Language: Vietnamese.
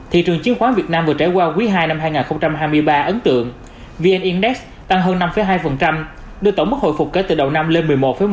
thị trường chứng khoán việt nam vừa trải qua quý ii năm hai nghìn hai mươi ba ấn tượng vn index tăng hơn năm hai đưa tổng mức hồi phục kể từ đầu năm lên một mươi một một